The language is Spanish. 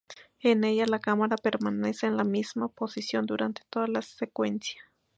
En ella la cámara permanece en la misma posición durante toda la secuencia.